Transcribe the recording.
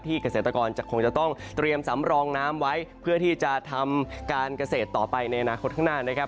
เกษตรกรจะคงจะต้องเตรียมสำรองน้ำไว้เพื่อที่จะทำการเกษตรต่อไปในอนาคตข้างหน้านะครับ